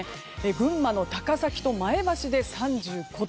群馬の高崎と前橋で３５度。